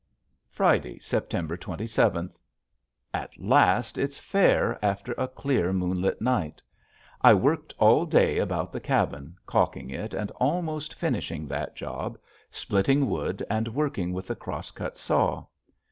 Friday, September twenty seventh. At last it's fair after a clear moonlit night. I worked all day about the cabin calking it and almost finishing that job, splitting wood, and working with the cross cut saw.